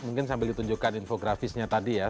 mungkin sambil ditunjukkan infografisnya tadi ya